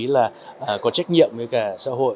với cả xã hội có trách nhiệm của mọi người